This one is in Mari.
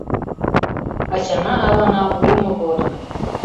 Ачана-авана улмо годым